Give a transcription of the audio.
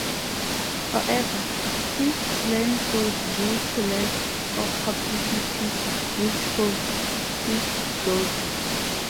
However, his plan fails due to lack of publicity used for his dojo.